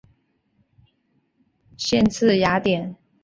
县治雅典。